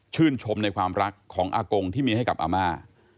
ชมในความรักของอากงที่มีให้กับอาม่า